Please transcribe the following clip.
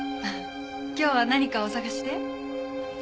今日は何かお探しで？